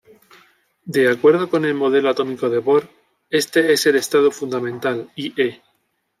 De acuerdo con el modelo atómico de Bohr, este es el estado fundamental, i.e.